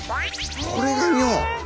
これが尿！